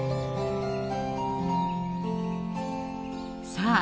さあ